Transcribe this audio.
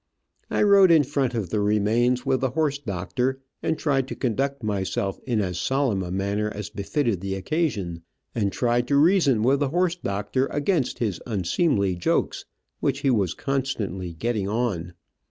I rode in front of the remains with the horse doctor, and tried to conduct myself in as solemn a manner as befitted the occasion, and tried to reason with the horse doctor against his unseemly jokes, which he was constantly getting on.